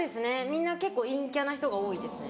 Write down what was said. みんな結構陰キャな人が多いですね。